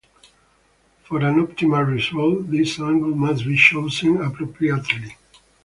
For an optimal result, this angle must be chosen appropriately.